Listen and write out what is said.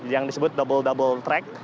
yang disebut double double track